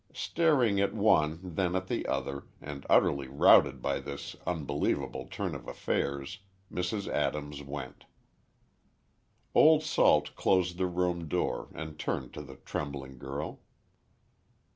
Staring at one then at the other, and utterly routed by this unbelievable turn of affairs, Mrs. Adams went. Old Salt closed the room door, and turned to the trembling girl.